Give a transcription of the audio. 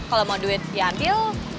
kalau mau duit diambil